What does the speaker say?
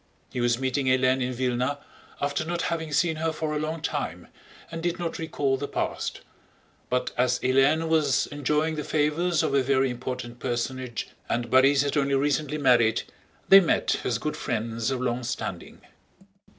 He was meeting Hélène in Vílna after not having seen her for a long time and did not recall the past, but as Hélène was enjoying the favors of a very important personage and Borís had only recently married, they met as good friends of long standing.